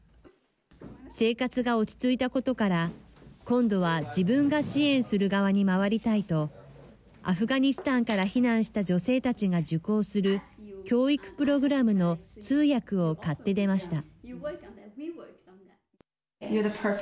生活が落ち着いたことから今度は、自分が支援する側にまわりたいとアフガニスタンから避難した女性たちが受講する教育プログラムの通訳をかって出ました。